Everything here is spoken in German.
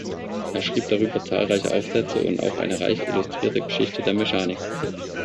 Er schrieb darüber zahlreiche Aufsätze und auch eine reich illustrierte Geschichte der Mechanik.